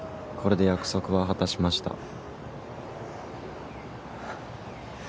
「これで約束は果たしました」